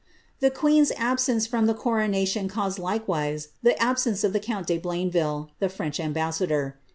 The queen's absence from the coronation caused likewise the absence of the count de Blainville, the French ambassador.